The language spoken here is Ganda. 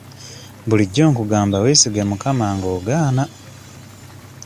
Bulijjo nkugamba weesige mukama nga ogaana.